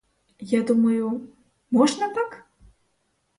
Я думаю — можна так?